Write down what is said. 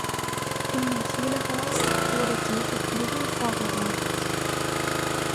Im Macele-Haus wurde die Verpflegung vorbereitet.